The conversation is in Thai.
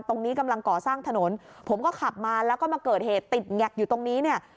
ตรงนี้กำลังก่อสร้างถนนผมก็ขับมาแล้วก็มาเกิดเหตุติดแงกอยู่ตรงนี้เนี่ย